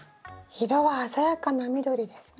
色は鮮やかな緑ですね。